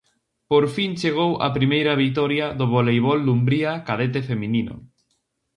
Por fin chegou a primeira vitoria do Voleibol Dumbría cadete feminino.